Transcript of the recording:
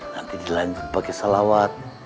nanti dilanjut pakai salawat